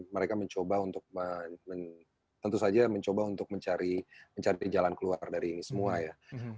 mereka mencoba untuk mencari jalan keluar dari ini semua ya